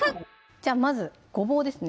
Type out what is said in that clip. じゃあまずごぼうですね